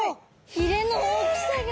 ひれの大きさが。